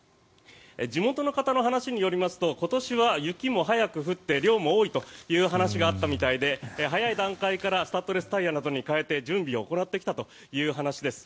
地元の方の話によりますと今年は雪も早く降って量も多いという話があったみたいで早い段階からスタッドレスタイヤなどに替えて準備を行ってきたという話です。